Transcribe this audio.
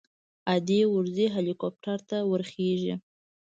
ادې ورځي هليكاپټر ته ورخېژي.